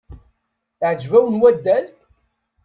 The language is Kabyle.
Iεǧeb-wen waddal?